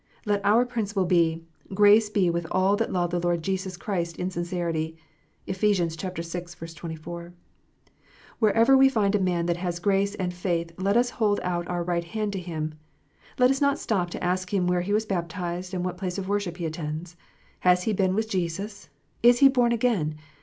Let our principle be, " Grace be with all that love the Lord Jesus Christ in sincerity." (Ephes. vi. 24.) Wherever we find a man that has grace and faith, let us hold out our right hand to him. Let us not stop to ask him where he was baptized, and what place of worship he attends ? Has he been with Jesus 1 Is he born again